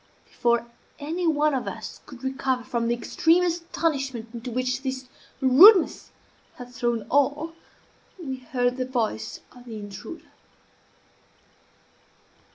Before any one of us could recover from the extreme astonishment into which this rudeness had thrown all, we heard the voice of the intruder.